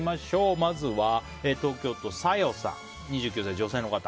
まずは東京都の２９歳、女性の方。